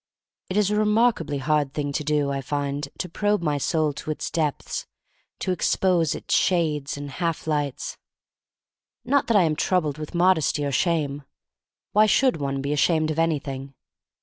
It is a remarkably hard thing to do, I find, to probe my soul to its depths, to expose its shades and half lights. Not that I am troubled with modesty or shame. Why should one be ashamed of anything?